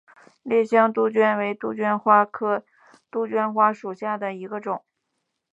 烈香杜鹃为杜鹃花科杜鹃花属下的一个种。